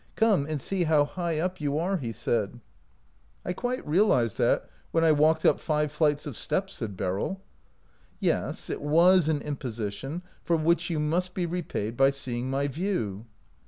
Come and see how high up you are," he said. 109 OUT OF BOHEMIA " I quite realized that when I walked up five flights of steps," said Beryl. " Yes, it was an imposition, for which you must be repaid by seeing my view."